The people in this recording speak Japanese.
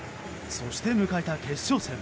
そして迎えた決勝戦。